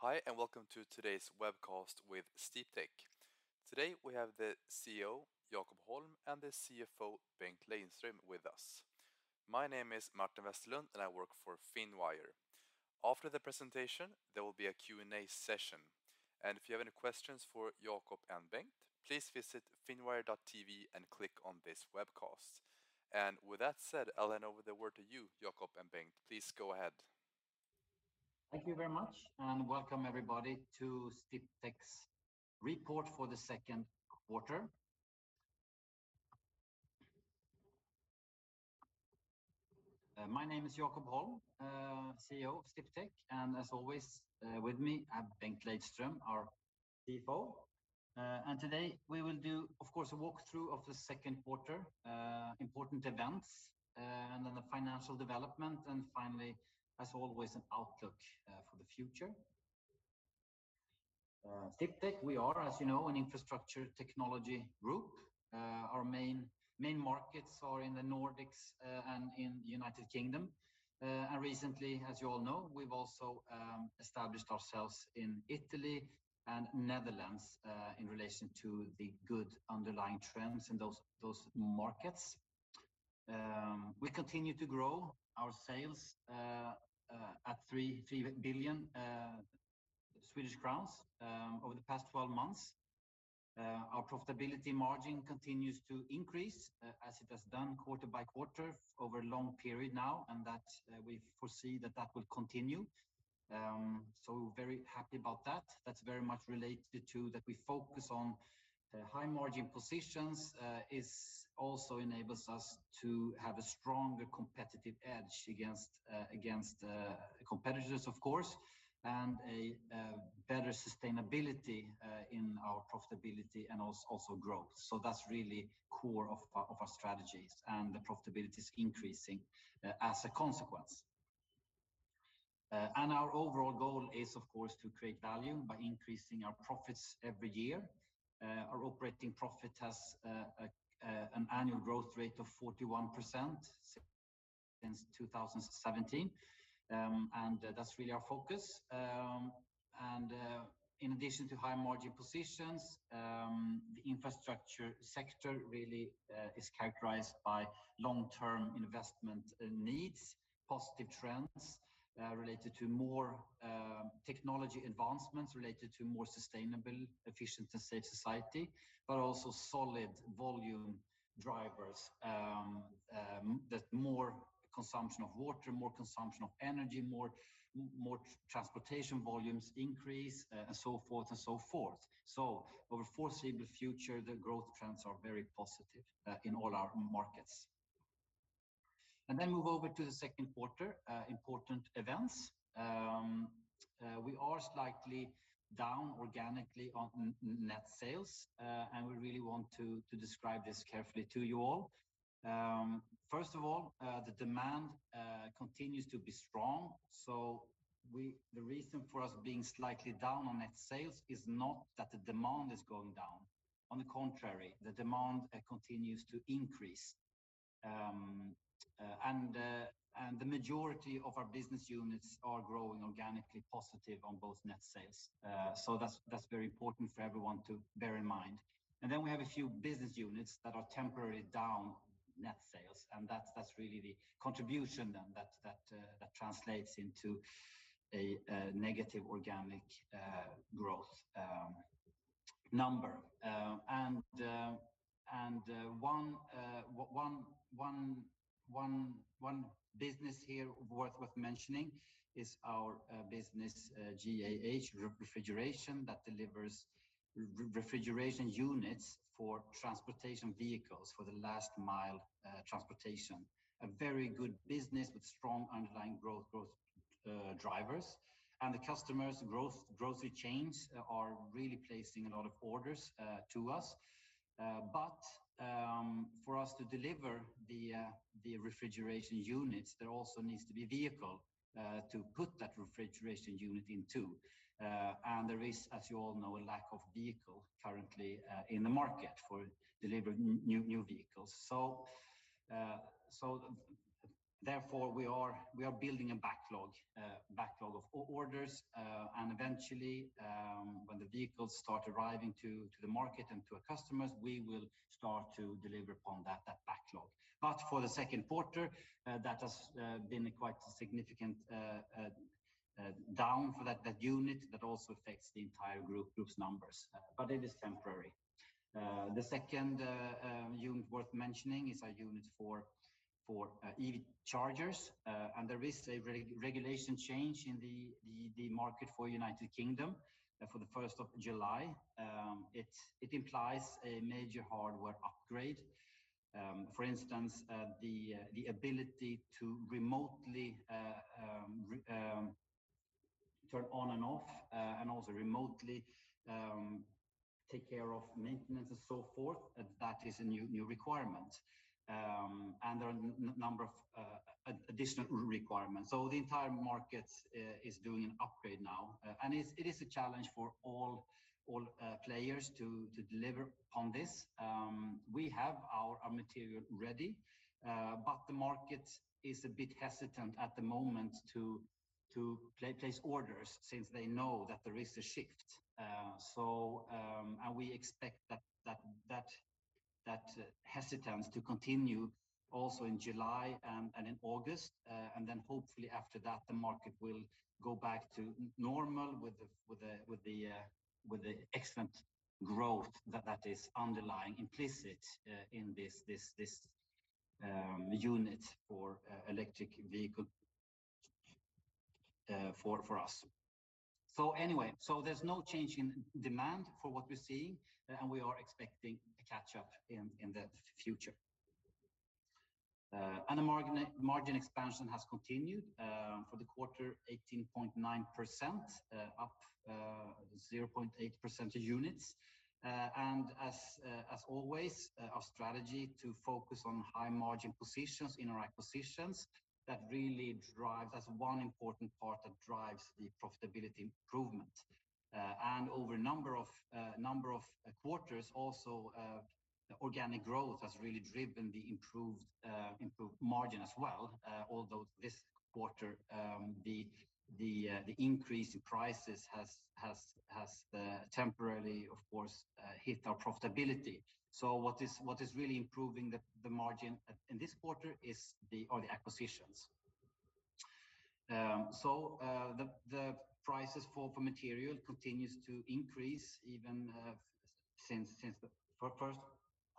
Hi, and welcome to today's webcast with Sdiptech. Today we have the CEO, Jakob Holm, and the CFO, Bengt Lejdström, with us. My name is Martin Westerlund, and I work for Finwire. After the presentation, there will be a Q&A session. If you have any questions for Jakob and Bengt, please visit finwire.tv and click on this webcast. With that said, I'll hand over the word to you, Jakob and Bengt. Please go ahead. Thank you very much, and welcome everybody to Sdiptech's Report for the Second Quarter. My name is Jakob Holm, CEO of Sdiptech, and as always, with me, I have Bengt Lejdström, our CFO. Today we will do, of course, a walkthrough of the second quarter, important events, and then the financial development, and finally, as always, an outlook for the future. Sdiptech, we are, as you know, an infrastructure technology group. Our main markets are in the Nordics and in the U.K. Recently, as you all know, we've also established ourselves in Italy and Netherlands in relation to the good underlying trends in those markets. We continue to grow our sales at 3 billion Swedish crowns over the past 12 months. Our profitability margin continues to increase as it has done quarter-by-quarter over a long period now, and that we foresee that will continue. Very happy about that. That's very much related to that we focus on high margin positions. It also enables us to have a stronger competitive edge against competitors, of course, and a better sustainability in our profitability and also growth. That's really core of our strategies, and the profitability is increasing as a consequence. Our overall goal is, of course, to create value by increasing our profits every year. Our operating profit has an annual growth rate of 41% since 2017. That's really our focus. In addition to high margin positions, the infrastructure sector really is characterized by long-term investment needs, positive trends related to more technology advancements related to more sustainable, efficient, and safe society, but also solid volume drivers, that more consumption of water, more consumption of energy, more transportation volumes increase, and so forth and so forth. Over foreseeable future, the growth trends are very positive in all our markets. Then move over to the second quarter important events. We are slightly down organically on net sales, and we really want to describe this carefully to you all. First of all, the demand continues to be strong, the reason for us being slightly down on net sales is not that the demand is going down. On the contrary, the demand continues to increase. The majority of our business units are growing organically positive on both net sales. That's very important for everyone to bear in mind. We have a few business units that are temporarily down net sales, and that's really the contribution that translates into a negative organic growth number. One business here worth mentioning is our business GAH Refrigeration that delivers refrigeration units for transportation vehicles for the last mile transportation. A very good business with strong underlying growth drivers. The customers, grocery chains, are really placing a lot of orders to us. For us to deliver the refrigeration units, there also needs to be a vehicle to put that refrigeration unit into. There is, as you all know, a lack of vehicle currently in the market for delivering new vehicles. We are building a backlog of orders, and eventually, when the vehicles start arriving to the market and to our customers, we will start to deliver upon that backlog. For the second quarter, that has been a quite significant down for that unit that also affects the entire group's numbers, but it is temporary. The second unit worth mentioning is a unit for EV chargers, and there is a regulatory change in the market for the U.K. for the 1st of July. It implies a major hardware upgrade. For instance, the ability to remotely turn on and off, and also remotely take care of maintenance and so forth, that is a new requirement. There are number of additional requirements. The entire market is doing an upgrade now, and it is a challenge for all players to deliver on this. We have our material ready, but the market is a bit hesitant at the moment to place orders since they know that there is a shift. We expect that hesitancy to continue also in July and in August, and then hopefully after that the market will go back to normal with the excellent growth that is underlying implicit in this unit for electric vehicle for us. Anyway, there's no change in demand for what we're seeing, and we are expecting a catch up in the future. The margin expansion has continued for the quarter 18.9%, up 0.8 percentage units. As always, our strategy to focus on high margin positions in our acquisitions, that really drives, that's one important part that drives the profitability improvement. Over a number of quarters also, organic growth has really driven the improved margin as well, although this quarter, the increase in prices has temporarily of course hit our profitability. What is really improving the margin in this quarter are the acquisitions. The prices for material continues to increase even since the first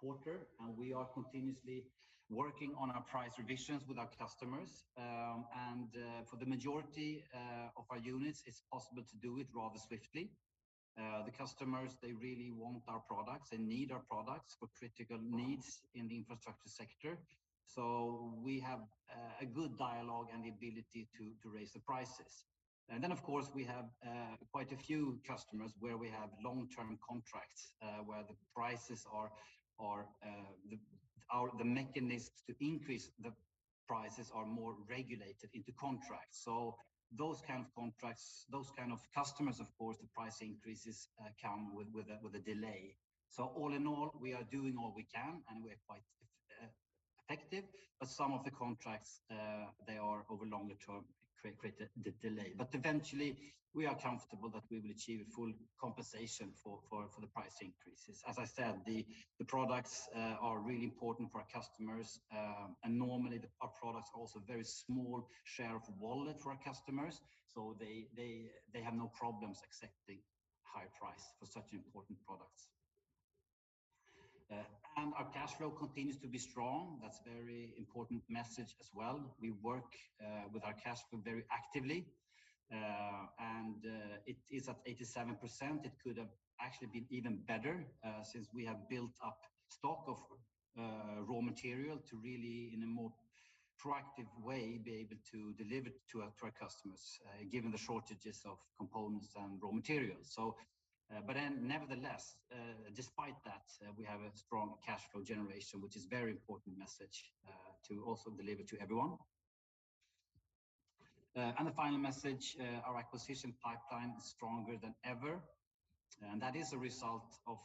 quarter, and we are continuously working on our price revisions with our customers. For the majority of our units, it's possible to do it rather swiftly. The customers, they really want our products and need our products for critical needs in the infrastructure sector. We have a good dialogue and the ability to raise the prices. Of course, we have quite a few customers where we have long-term contracts, where the prices are, the mechanisms to increase the prices are more regulated into contracts. Those kind of contracts, those kind of customers, of course, the price increases come with a delay. All in all, we are doing all we can, and we're quite effective, but some of the contracts they are over longer term create a delay. Eventually, we are comfortable that we will achieve a full compensation for the price increases. As I said, the products are really important for our customers, and normally our products are also a very small share of wallet for our customers, so they have no problems accepting higher price for such important products. Our cash flow continues to be strong. That's a very important message as well. We work with our cash flow very actively, and it is at 87%. It could have actually been even better, since we have built up stock of raw material to really, in a more proactive way, be able to deliver to our customers, given the shortages of components and raw materials. But nevertheless, despite that, we have a strong cash flow generation, which is very important message to also deliver to everyone. The final message, our acquisition pipeline is stronger than ever, and that is a result of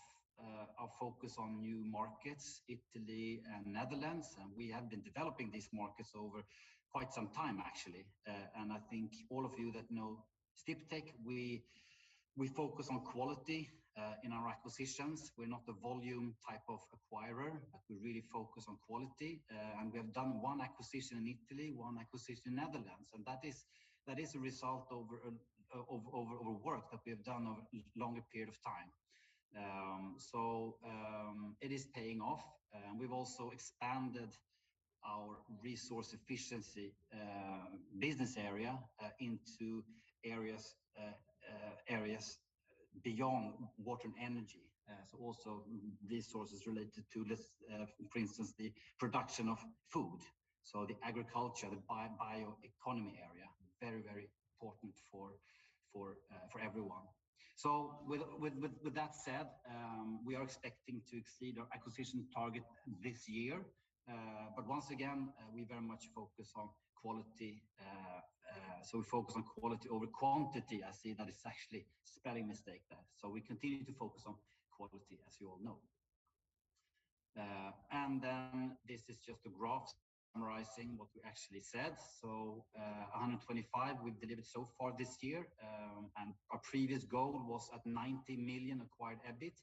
our focus on new markets, Italy and Netherlands, and we have been developing these markets over quite some time actually. I think all of you that know Sdiptech, we focus on quality in our acquisitions. We're not a volume type of acquirer, but we really focus on quality. We have done one acquisition in Italy, one acquisition in Netherlands, and that is a result of our work that we have done over a longer period of time. It is paying off. We've also expanded our resource efficiency business area into areas beyond water and energy. Also resources related to this, for instance, the production of food, so the agriculture, the bioeconomy area, very important for everyone. With that said, we are expecting to exceed our acquisition target this year. Once again, we very much focus on quality. We focus on quality over quantity. I see that it's actually spelling mistake there. We continue to focus on quality, as you all know. This is just a graph summarizing what we actually said. 125 million we've delivered so far this year, and our previous goal was at 90 million acquired EBIT.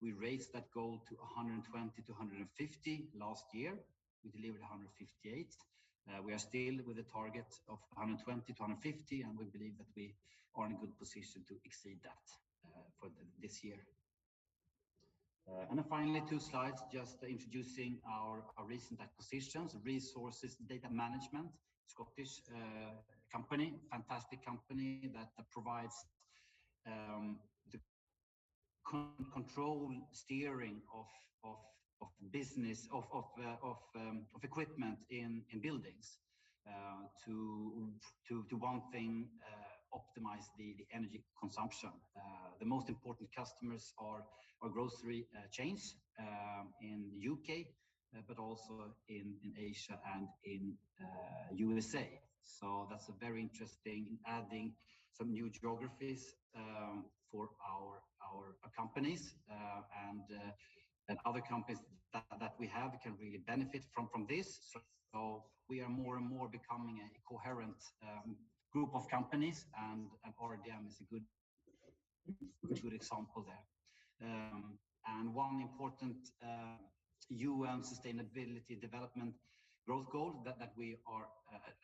We raised that goal to 120 million-150 million last year. We delivered 158 million. We are still with a target of 100 million-150 million, and we believe that we are in a good position to exceed that for this year. Finally, two slides just introducing our recent acquisitions, Resource Data Management, a Scottish company, a fantastic company that provides the control of equipment in buildings to optimize the energy consumption. The most important customers are grocery chains in the U.K., but also in Asia and in the USA. That's a very interesting addition, adding some new geographies for our companies and other companies that we have, can really benefit from this. We are more and more becoming a coherent group of companies and RDM is a good example there. One important UN Sustainable Development Goal that we are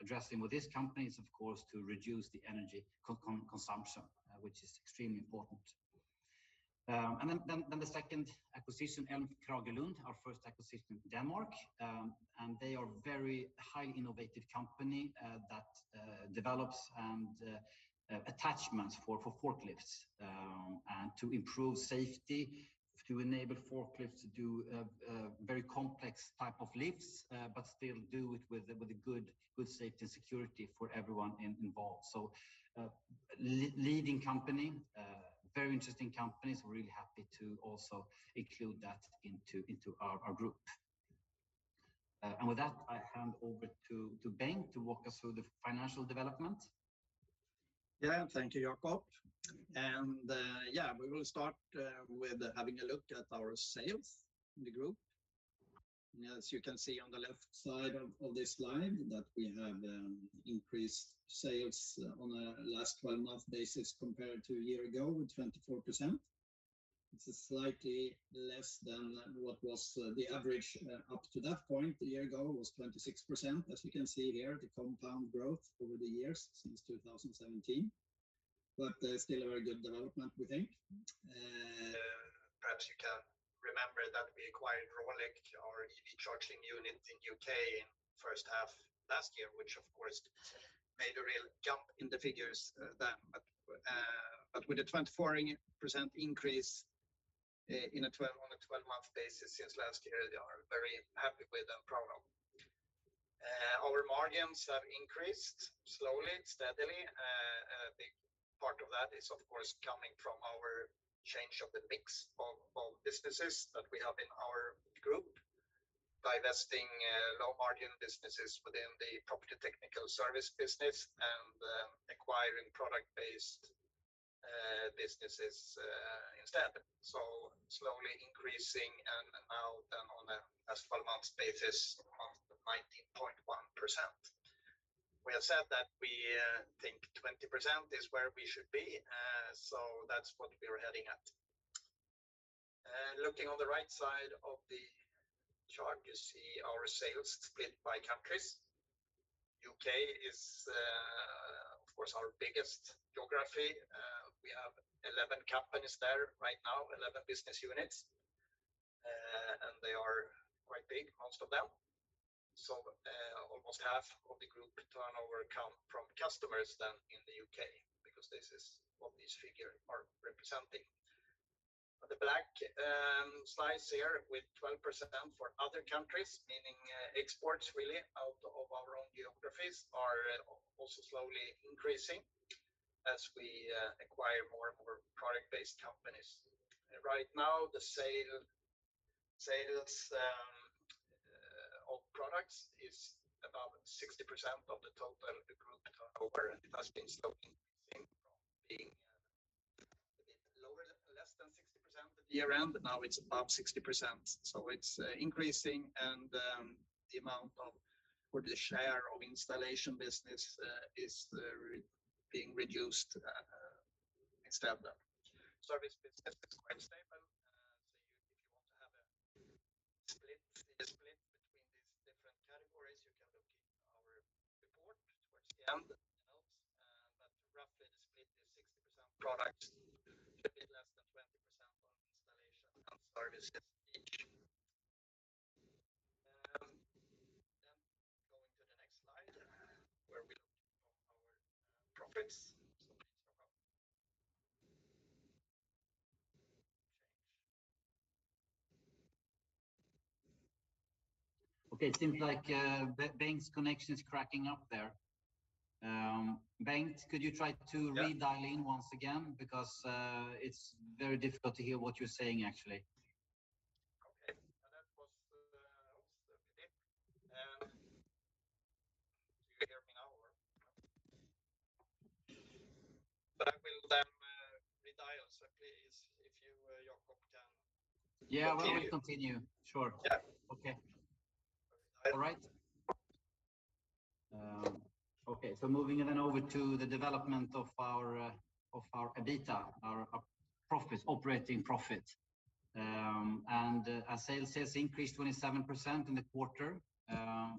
addressing with this company is of course to reduce the energy consumption, which is extremely important. The second acquisition, e-l-m Kragelund, our first acquisition in Denmark, and they are a highly innovative company that develops attachments for forklifts and to improve safety, to enable forklifts to do very complex type of lifts, but still do it with a good safety and security for everyone involved. Leading company, very interesting companies. We're really happy to also include that into our group. With that, I hand over to Bengt to walk us through the financial development. Yeah. Thank you, Jakob. Yeah, we will start with having a look at our sales in the group. As you can see on the left side of this slide that we have increased sales on a last 12 months basis compared to a year ago with 24%. It's slightly less than what was the average up to that point. A year ago was 26%. As you can see here, the compound growth over the years since 2017, but still a very good development, we think. Perhaps you can remember that we acquired Rolec, our EV charging unit in U.K. in first half last year, which of course made a real jump in the figures, then. With a 24% increase on a 12 months basis since last year, they are very happy with the progress. Our margins have increased slowly and steadily. A big part of that is of course coming from our change of the mix of businesses that we have in our group, divesting low-margin businesses within the Property Technical Services business and acquiring product-based businesses instead. Slowly increasing and now on a last 12 months basis of 19.1%. We have said that we think 20% is where we should be, so that's what we're heading at. Looking on the right side of the chart, you see our sales split by countries. U.K. is of course our biggest geography. We have 11 companies there right now, 11 business units. They are quite big, most of them. Almost half of the group turnover comes from customers then in the U.K., because this is what these figures are representing. The black slice here with 12% for other countries, meaning exports really out of our own geographies are also slowly increasing as we acquire more and more product-based companies. Right now, the sales of products is about 60% of the total group turnover, and it has been slowly increasing from being a bit lower, less than 60% over the year, but now it's above 60%. It's increasing and the share of installation business is being reduced instead there. Service business is quite stable. If you want to have a split, the split between these different categories, you can look in our report towards the end notes. Roughly the split is 60% products, a bit less than 20% on installation, and services each. Going to the next slide where we look at our profits. Please talk about change. Okay. It seems like Bengt's connection is cracking up there. Bengt, could you try to redial in once again? Because it's very difficult to hear what you're saying, actually. Okay. That was also a bit dip. Do you hear me now or? But I will then redial. Please, if you, Jakob, can continue. Yeah. We'll continue. Sure. Yeah. Okay. All right. Okay. Moving then over to the development of our EBITDA, our profits, operating profit. Our sales has increased 27% in the quarter,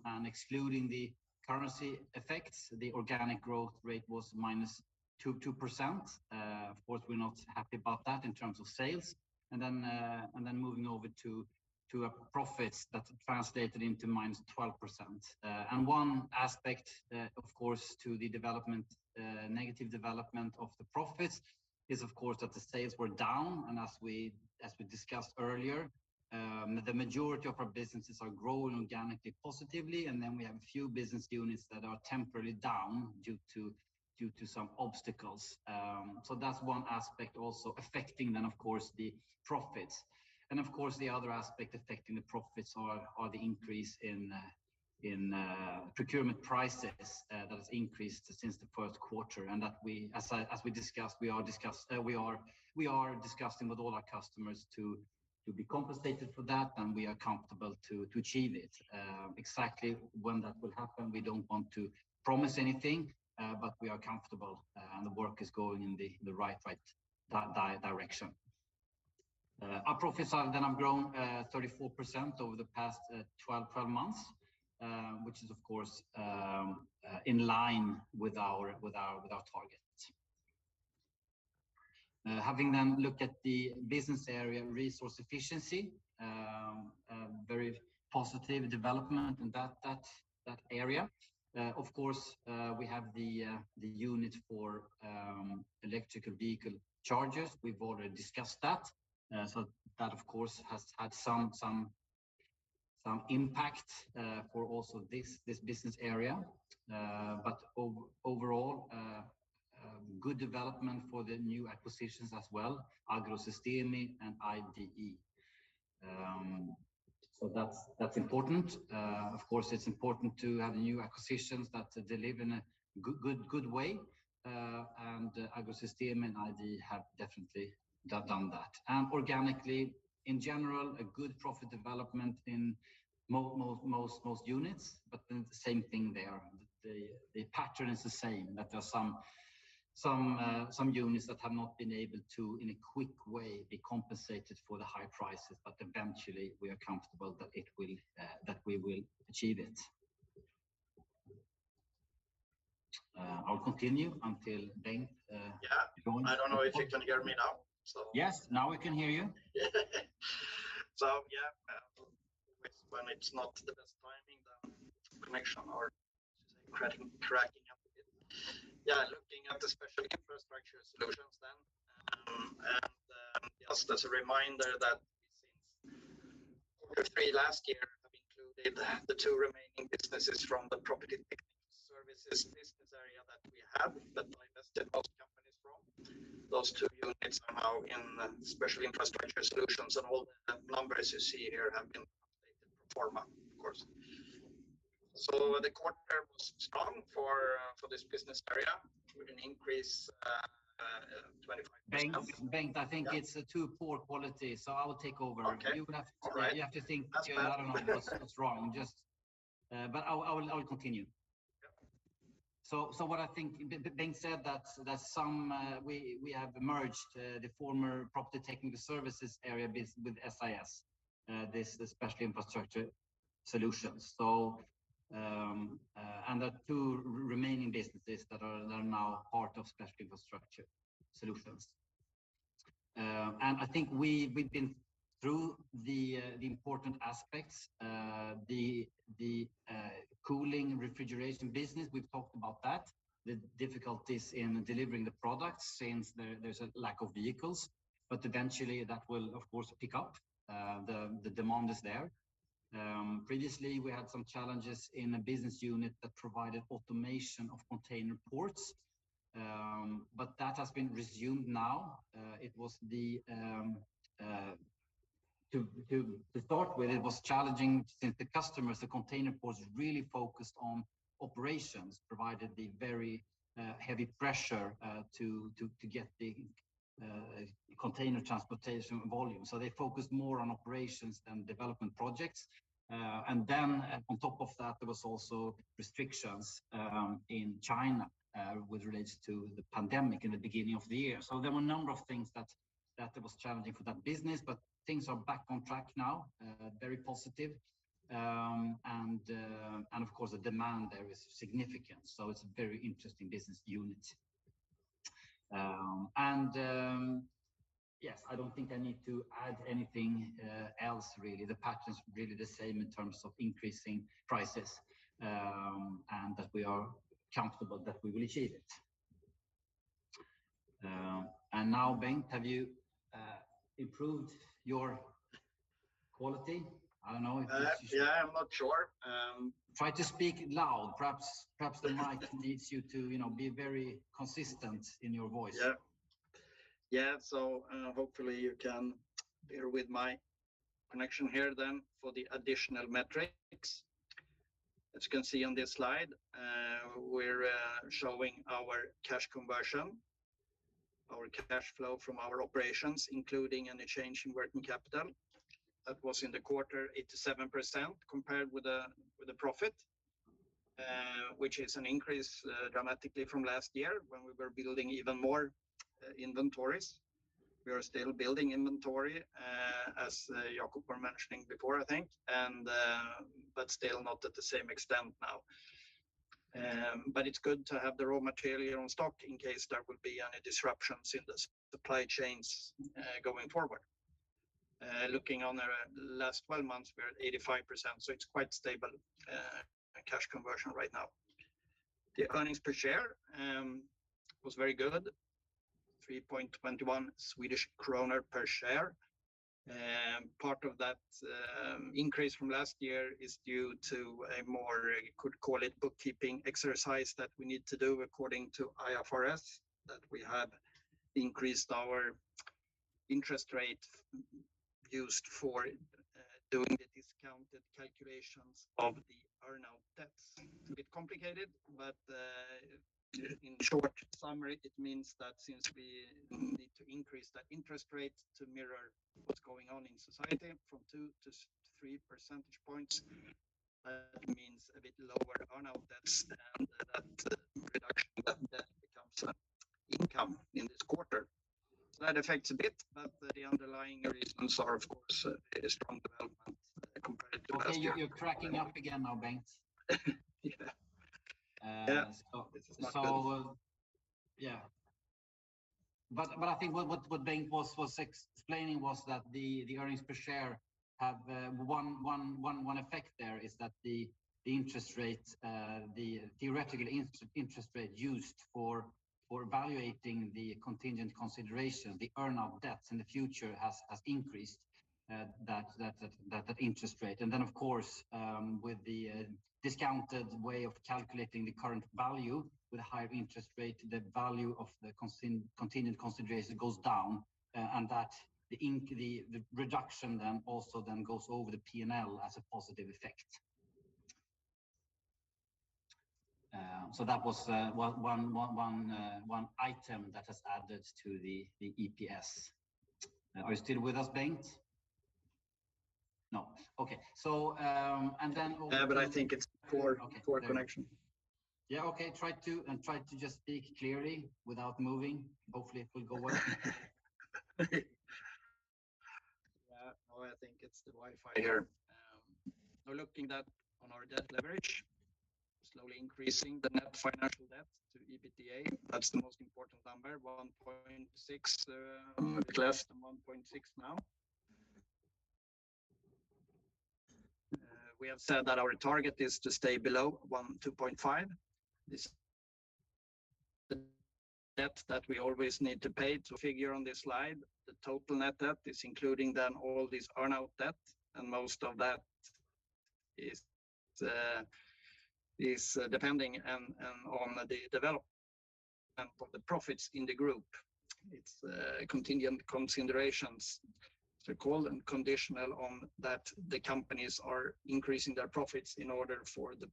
and excluding the currency effects, the organic growth rate was -2%. Of course, we're not happy about that in terms of sales. Moving over to our profits that translated into -12%. One aspect, of course, to the development, negative development of the profits is of course that the sales were down. As we discussed earlier, the majority of our businesses are growing organically positively, and then we have a few business units that are temporarily down due to some obstacles. That's one aspect also affecting then of course the profits. Of course, the other aspect affecting the profits are the increase in procurement prices that has increased since the first quarter. That we, as we discussed, we are discussing with all our customers to be compensated for that, and we are comfortable to achieve it. Exactly when that will happen, we don't want to promise anything, but we are comfortable, and the work is going in the right direction. Our profits are then have grown 34% over the past 12 months, which is of course in line with our targets. Having then looked at the business area Resource Efficiency, a very positive development in that area. Of course, we have the unit for electric vehicle chargers. We've already discussed that. That of course has had some impact for also this business area. Overall, good development for the new acquisitions as well, Agrosistemi and IDE. That's important. Of course, it's important to have new acquisitions that deliver in a good way. Agrosistemi and IDE have definitely done that. Organically, in general, a good profit development in most units, but then the same thing there. The pattern is the same, that there are some units that have not been able to, in a quick way, be compensated for the high prices. Eventually, we are comfortable that it will, that we will achieve it. I'll continue until Bengt. Yeah. I don't know if you can hear me now, so. Yes. Now we can hear you. Yeah, looking at the Special Infrastructure Solutions then, just as a reminder that we since Q3 last year have included the two remaining businesses from the Property Technical Services business area that we have that I listed those companies from. Those two units are now in Special Infrastructure Solutions, and all the numbers you see here have been computed pro forma, of course. The quarter was strong for this business area with an increase 25%. Bengt, I think it's too poor quality, so I will take over. Okay. All right. You have to think. That's better. I don't know what's wrong. Just, I will continue. Yeah. What I think Bengt said that we have merged the former Property Technical Services area with SIS, this, the Special Infrastructure Solutions. The two remaining businesses that are now part of Special Infrastructure Solutions. I think we've been through the important aspects. The cooling refrigeration business, we've talked about that, the difficulties in delivering the products since there's a lack of vehicles. Eventually, that will, of course, pick up. The demand is there. Previously, we had some challenges in a business unit that provided automation of container ports, but that has been resumed now. It was the. To start with, it was challenging since the customers, the container ports really focused on operations, provided the very heavy pressure to get the container transportation volume. They focused more on operations than development projects. On top of that, there was also restrictions in China with regards to the pandemic in the beginning of the year. There were a number of things that was challenging for that business, but things are back on track now, very positive. Of course, the demand there is significant, so it's a very interesting business unit. Yes, I don't think I need to add anything else really. The pattern's really the same in terms of increasing prices, and that we are comfortable that we will achieve it. Now Bengt, have you improved your quality? I don't know if this is. Yeah, I'm not sure. Try to speak loud. Perhaps the mic needs you to, you know, be very consistent in your voice. Hopefully you can bear with my connection here then for the additional metrics. As you can see on this slide, we're showing our cash conversion, our cash flow from our operations, including any change in working capital. That was in the quarter 87% compared with the profit, which is an increase dramatically from last year when we were building even more inventories. We are still building inventory, as Jakob were mentioning before, I think, and but still not at the same extent now. But it's good to have the raw material in stock in case there will be any disruptions in the supply chains going forward. Looking on the last 12 months, we're at 85%, so it's quite stable cash conversion right now. The earnings per share was very good, 3.21 Swedish kronor per share. Part of that increase from last year is due to a more, you could call it bookkeeping exercise that we need to do according to IFRS, that we have increased our interest rate used for doing the discounted calculations of the earn-out debts. It's a bit complicated, but in short summary, it means that since we need to increase that interest rate to mirror what's going on in society from 2-3 percentage points, means a bit lower earn-out debts than that reduction that then becomes income in this quarter. That affects a bit, but the underlying reasons are, of course, a strong development compared to last year. Okay, you're cracking up again now, Bengt. Yeah. Yeah. This is not good. Yeah. I think what Bengt was explaining was that the earnings per share have one effect there is that the interest rate the theoretical interest rate used for evaluating the contingent consideration the earn-out debts in the future has increased that interest rate. Then of course with the discounted way of calculating the current value with a higher interest rate the value of the contingent consideration goes down and that the reduction then also then goes over the P&L as a positive effect. So that was one item that has added to the EPS. Are you still with us, Bengt? No. Okay. Then we'll- Yeah, I think it's poor. Okay. Poor connection. Yeah, okay. Try to just speak clearly without moving. Hopefully, it will go well. Yeah. Well, I think it's the Wi-Fi here. Now looking at on our debt leverage, slowly increasing the net debt-to-EBITDA, that's the most important number, 1.6x, a bit less than 1.6x now. We have said that our target is to stay below 2.5x. This debt that we always need to pay to figure on this slide, the total net debt is including then all this earn-out debt, and most of that is depending on the development of the profits in the group. It's contingent considerations, they're called, and conditional on that the companies are increasing their profits in order for the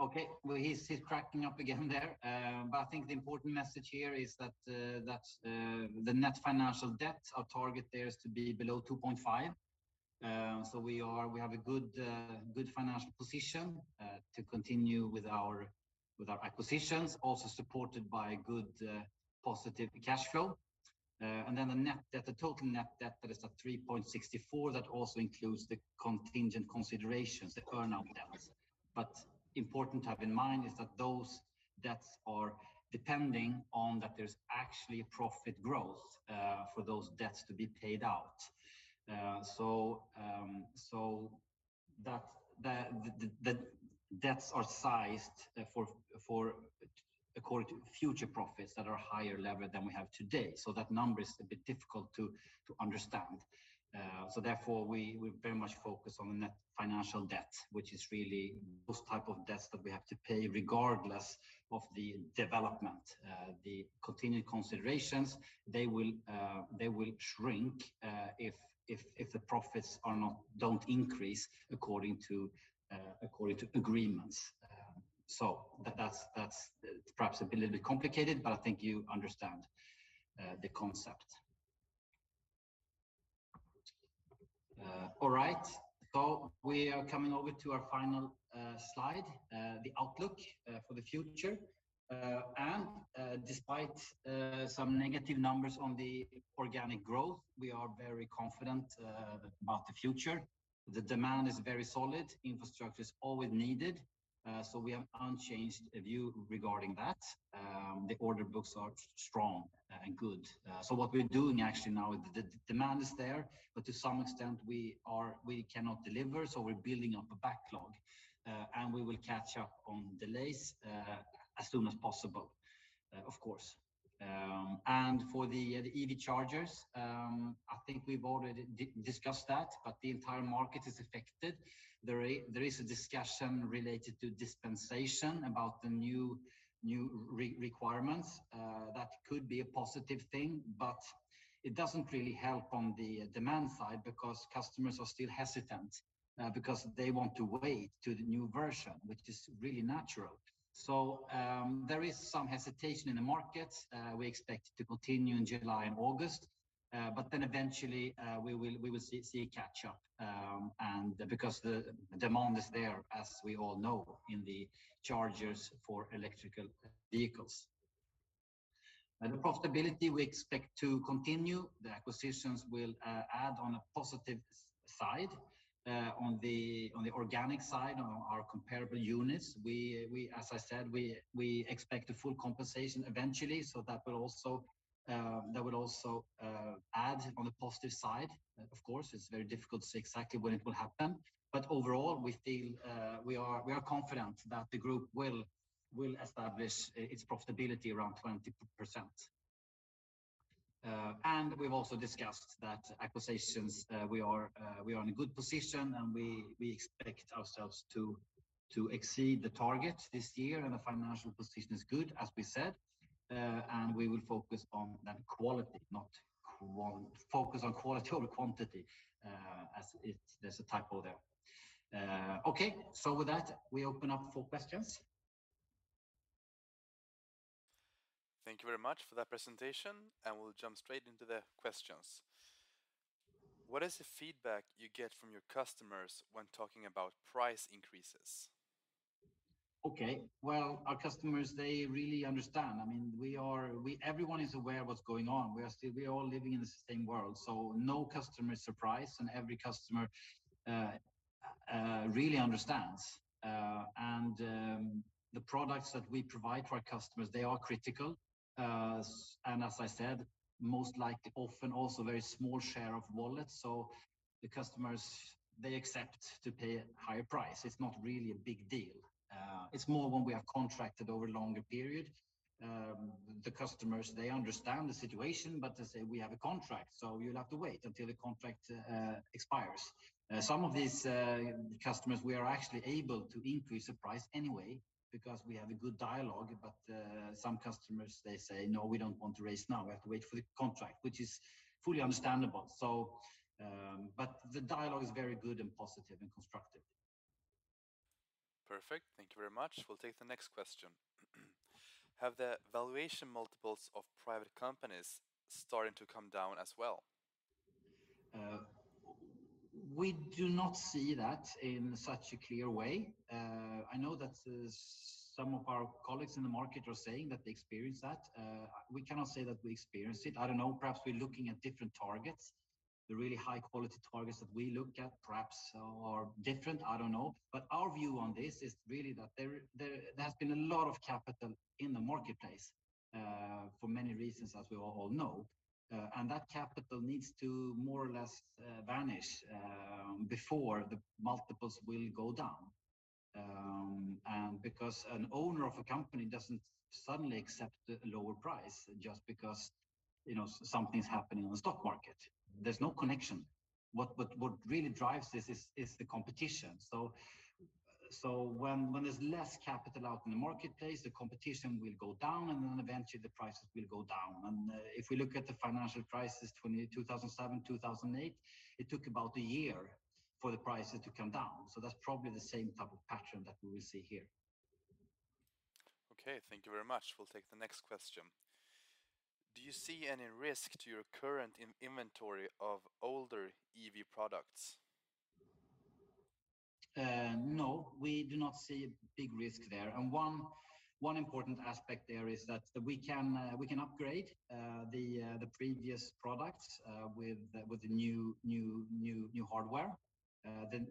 pa- Okay. Well, he's cracking up again there. I think the important message here is that the net financial debt, our target there is to be below 2.5x. We have a good financial position to continue with our acquisitions, also supported by good positive cash flow. The net debt, the total net debt that is at 3.64x, that also includes the Contingent consideration, the earn-out levels. Important to have in mind is that those debts are depending on that there's actually profit growth for those debts to be paid out. That the debts are sized for according to future profits that are higher level than we have today. That number is a bit difficult to understand. Therefore we very much focus on net financial debt, which is really those type of debts that we have to pay regardless of the development. The contingent considerations, they will shrink if the profits don't increase according to agreements. That's perhaps a bit little bit complicated, but I think you understand the concept. All right. We are coming over to our final slide, the outlook for the future. Despite some negative numbers on the organic growth, we are very confident about the future. The demand is very solid. Infrastructure is always needed. We have unchanged view regarding that. The order books are strong and good. What we're doing actually now, the demand is there, but to some extent we cannot deliver, so we're building up a backlog. We will catch up on delays as soon as possible, of course. For the EV chargers, I think we've already discussed that, but the entire market is affected. There is a discussion related to dispensation about the new requirements that could be a positive thing, but it doesn't really help on the demand side because customers are still hesitant because they want to wait to the new version, which is really natural. There is some hesitation in the market. We expect it to continue in July and August, but then eventually, we will see a catch-up, and because the demand is there, as we all know, in the chargers for electric vehicles. The profitability we expect to continue. The acquisitions will add on a positive side. On the organic side, on our comparable units, as I said, we expect a full compensation eventually. That will also add on the positive side. Of course, it's very difficult to say exactly when it will happen. Overall, we feel we are confident that the group will establish its profitability around 20%. We've also discussed that acquisitions, we are in a good position, and we expect ourselves to exceed the target this year, and the financial position is good, as we said. We will focus on quality over quantity. There's a typo there. Okay. With that, we open up for questions. Thank you very much for that presentation, and we'll jump straight into the questions. What is the feedback you get from your customers when talking about price increases? Okay. Well, our customers, they really understand. I mean, everyone is aware of what's going on. We are all living in the same world. No customer is surprised, and every customer really understands. The products that we provide to our customers, they are critical. As I said, most likely, often also very small share of wallet. The customers, they accept to pay a higher price. It's not really a big deal. It's more when we have contracted over longer period. The customers, they understand the situation, but they say, "We have a contract, so you'll have to wait until the contract expires." Some of these customers, we are actually able to increase the price anyway because we have a good dialogue. Some customers, they say, "No, we don't want to raise now. We have to wait for the contract," which is fully understandable. The dialogue is very good and positive and constructive. Perfect. Thank you very much. We'll take the next question. Have the valuation multiples of private companies starting to come down as well? We do not see that in such a clear way. I know that some of our colleagues in the market are saying that they experience that. We cannot say that we experience it. I don't know. Perhaps we're looking at different targets. The really high-quality targets that we look at perhaps are different. I don't know. Our view on this is really that there has been a lot of capital in the marketplace, for many reasons, as we all know. That capital needs to more or less vanish before the multiples will go down. Because an owner of a company doesn't suddenly accept a lower price just because, you know, something's happening on the stock market. There's no connection. What really drives this is the competition. When there's less capital out in the marketplace, the competition will go down, and then eventually the prices will go down. If we look at the financial crisis 2007-2008, it took about a year for the prices to come down. That's probably the same type of pattern that we will see here. Okay, thank you very much. We'll take the next question. Do you see any risk to your current inventory of older EV products? No, we do not see a big risk there. One important aspect there is that we can upgrade the previous products with the new hardware, the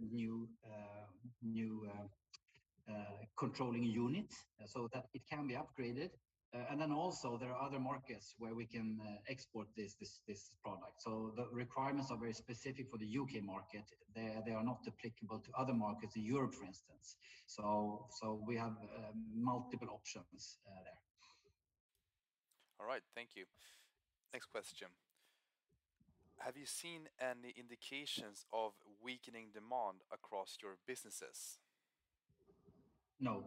new controlling unit so that it can be upgraded. There are other markets where we can export this product. The requirements are very specific for the U.K. market. They are not applicable to other markets, Europe, for instance. We have multiple options there. All right, thank you. Next question. Have you seen any indications of weakening demand across your businesses? No,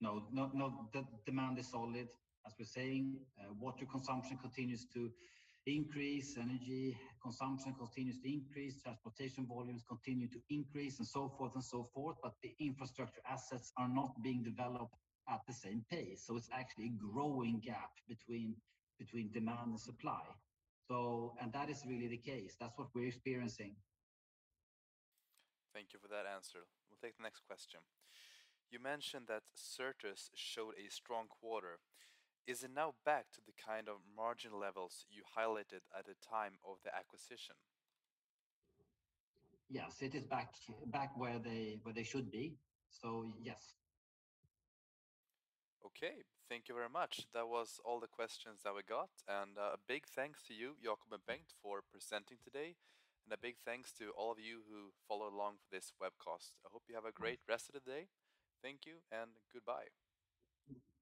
the demand is solid. As we're saying, water consumption continues to increase, energy consumption continues to increase, transportation volumes continue to increase, and so forth, but the infrastructure assets are not being developed at the same pace. It's actually a growing gap between demand and supply. That is really the case. That's what we're experiencing. Thank you for that answer. We'll take the next question. You mentioned that Certus showed a strong quarter. Is it now back to the kind of margin levels you highlighted at the time of the acquisition? Yes, it is back where they should be. Yes. Okay. Thank you very much. That was all the questions that we got. A big thanks to you, Jakob and Bengt, for presenting today. A big thanks to all of you who followed along for this webcast. I hope you have a great rest of the day. Thank you, and goodbye.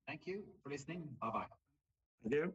Thank you for listening. Bye-bye. Thank you.